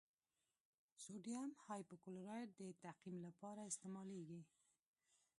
سوډیم هایپوکلورایټ د تعقیم لپاره استعمالیږي.